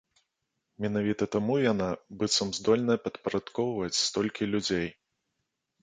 Менавіта таму яна, быццам, здольная падпарадкоўваць столькі людзей.